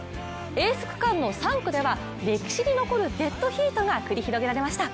エース区間の３区では歴史に残るデッドヒートが繰り広げられました。